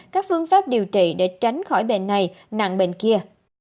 các phương pháp điều trị để tránh khỏi bệnh này nặng bệnh kia